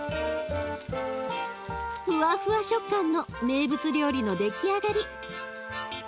ふわふわ食感の名物料理の出来上がり。